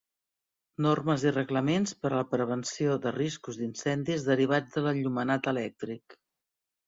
Normes i reglaments per a la prevenció de riscos d'incendis derivats de l'enllumenat elèctric.